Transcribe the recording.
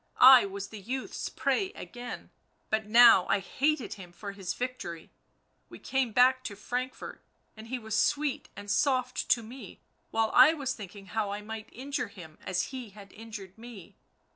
44 I was the youth's prey again, but now I hated him for his victory ... we came back to Frankfort, and he was sweet and soft to me, while I was thinking how I might injure him as he had injured me